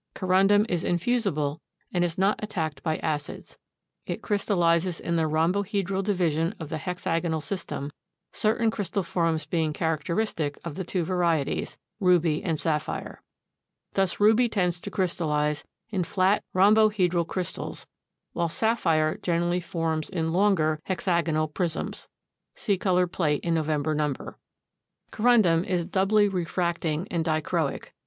Corundum is infusible and is not attacked by acids. It crystallizes in the rhombohedral division of the hexagonal system, certain crystal forms being characteristic of the two varieties, ruby and sapphire. Thus ruby tends to crystallize in flat rhombohedral crystals, while sapphire generally forms in longer, hexagonal prisms. (See colored plate in November number.) Corundum is doubly refracting and dichroic.